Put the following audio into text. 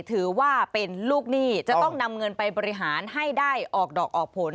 ถือว่าเป็นลูกหนี้จะต้องนำเงินไปบริหารให้ได้ออกดอกออกผล